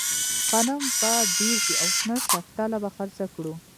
غنم به ډېر شي او شنه شفتله به خرڅه کړو.